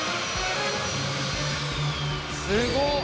すごい。